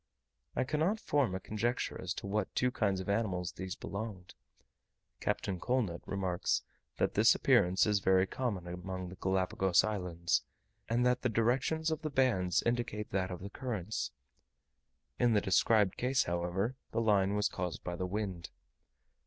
I cannot form a conjecture as to what two kinds of animals these belonged. Captain Colnett remarks, that this appearance is very common among the Galapagos Islands, and that the directions of the bands indicate that of the currents; in the described case, however, the line was caused by the wind.